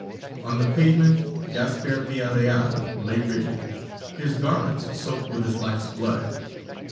On the pavement, Gasper Villareal lay rigid, his garments soaked with his life's blood.